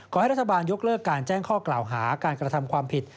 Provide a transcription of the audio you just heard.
ขอให้รัฐบาลยกเลิกการแจ้งข้อกล่าวหาการกระทำความผิด